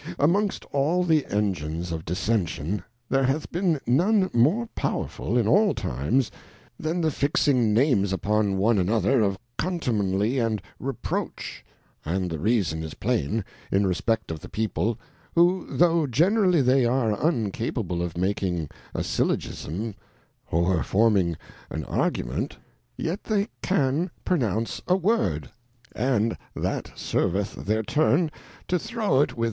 Amongst all the Engines of Dissention, there hath been none more powerful in all Times, than the fixing Names upon one another of, Coniumely and Reproach, and the reason is plain, in respect of the People, who iho' generally they are uncapable of making a Syllogism or forming an Argument, yet they can pronounce a word; and that serveth their turn to throw it with their 48 The Preface.